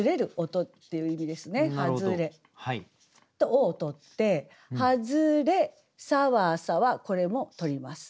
「を」を取って「葉擦れさわさわ」。これも取ります。